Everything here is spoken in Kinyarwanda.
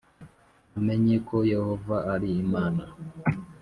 namenye ko Yehova ari Imana.